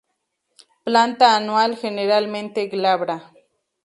Planta anual, generalmente glabra.